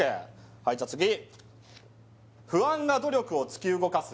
はいじゃあ次「不安が努力を突き動かす」